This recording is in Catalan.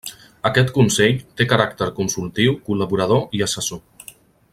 Aquest consell té caràcter consultiu, col·laborador i assessor.